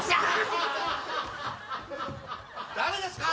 誰ですか？